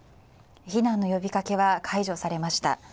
避難の呼びかけは解除されました。